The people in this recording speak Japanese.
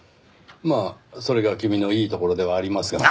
まあそれが君のいいところではありますがね。